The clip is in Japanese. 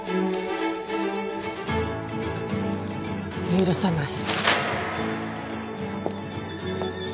許さない。